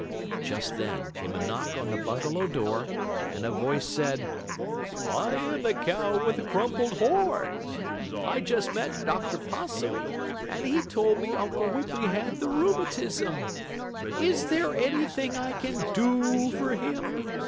Just then came a knock on the bungalow door, and a voice said: "I am the cow with the crumpled horn. I just met Dr. Possum, and he told me Uncle Wiggily had the rheumatism. Is there anything I can do for him?